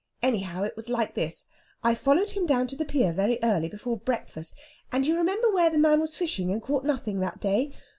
Anyhow, it was like this: I followed him down to the pier very early before breakfast, and you remember where the man was fishing and caught nothing that day?